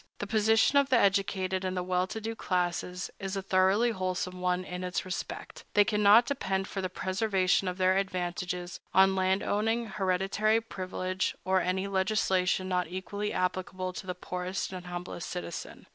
The position of the educated and well to do classes is a thoroughly wholesome one in this respect: they cannot depend for the preservation of their advantages on land owning, hereditary privilege, or any legislation not equally applicable to the poorest and humblest citizen.